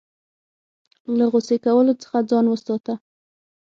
له غوسې کولو څخه ځان وساته .